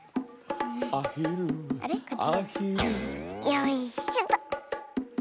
よいしょと。